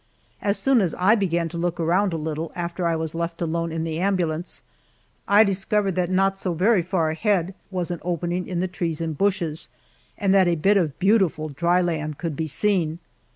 As soon as I began to look around a little after I was left alone in the ambulance, I discovered that not so very far ahead was an opening in the trees and bushes, and that a bit of beautiful dry land could be seen.